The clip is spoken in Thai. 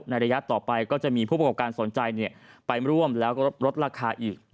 ระยะต่อไปก็จะมีผู้ประกอบการสนใจไปร่วมแล้วก็ลดราคาอีก